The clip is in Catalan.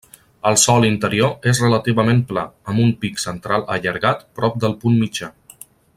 El sòl interior és relativament pla, amb un pic central allargat prop del punt mitjà.